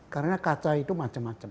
karena kaca itu macam macam